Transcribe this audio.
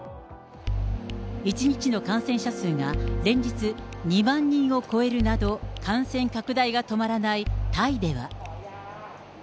１日の感染者数が連日２万人を超えるなど、感染拡大が止まらないタイでは。